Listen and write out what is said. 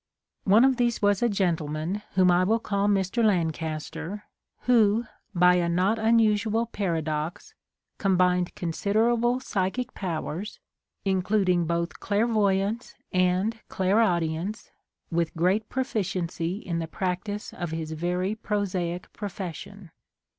One of these was a gentleman whom I will call Mr. Lancaster, who, by a not unusual paradox, combined considerable psychic powers, including both clairvoyance and clairaudience, with great proficiency in the practice of his very prosaic profession.